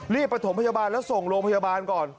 รีบไปถมพยาบาลแล้วส่งลงพยาบาลก่อน